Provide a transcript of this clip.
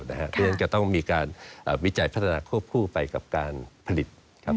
เพราะฉะนั้นจะต้องมีการวิจัยพัฒนาควบคู่ไปกับการผลิตครับ